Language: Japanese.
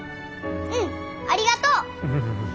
うんありがとう！